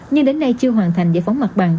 nhưng đến nay chưa hoàn thành giải phóng mặt bằng